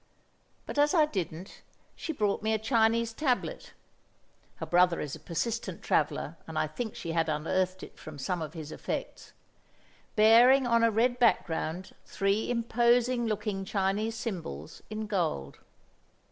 But as I didn't, she brought me a Chinese tablet (her brother is a persistent traveller, and I think she had unearthed it from some of his effects), bearing on a red background three imposing looking Chinese symbols, in gold.